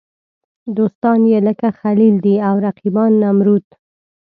دوستان یې لکه خلیل دي او رقیبان نمرود.